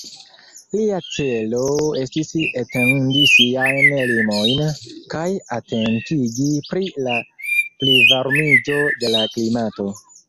Lia celo estis etendi siajn limojn, kaj atentigi pri la plivarmiĝo de la klimato.